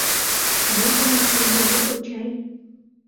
Бомбымак конден огыл чай?